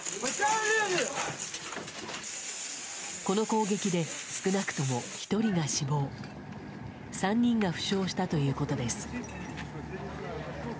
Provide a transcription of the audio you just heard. この攻撃で少なくとも１人が死亡３人が負傷したということです。